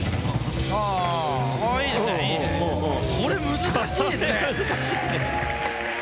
これ難しいですね。